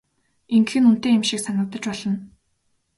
Ингэх нь үнэтэй юм шиг санагдаж болно.